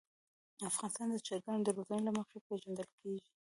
افغانستان د چرګانو د روزنې له مخې پېژندل کېږي.